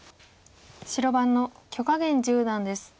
白番の許家元十段です。